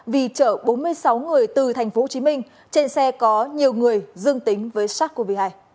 vì chở bốn mươi sáu người từ tp hcm trên xe có nhiều người dương tính với sars cov hai